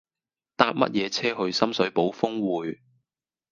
搭乜嘢車去深水埗丰滙